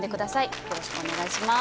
よろしくお願いします。